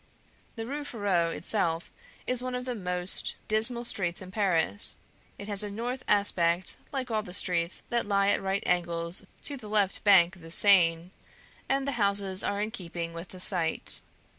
The Rue Férou itself is one of the most dismal streets in Paris; it has a north aspect like all the streets that lie at right angles to the left bank of the Seine, and the houses are in keeping with the site.